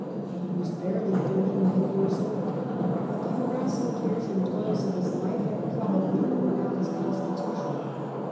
He was barely thirty nine years old, but the Death oi harassing cares and toils of his life had pro Henry m. bably worn out his constitution.